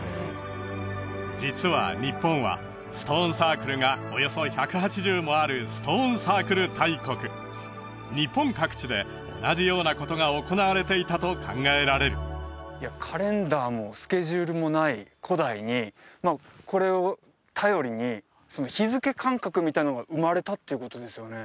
実は日本はストーンサークルがおよそ１８０もあるストーンサークル大国日本各地で同じようなことが行われていたと考えられるカレンダーもスケジュールもない古代にこれを頼りにっていうことですよね？